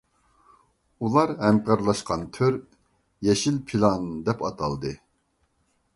ئۇلار ھەمكارلاشقان تۈر يېشىل پىلان دەپ ئاتالدى.